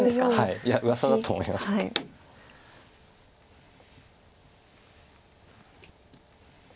いやうわさだと思います。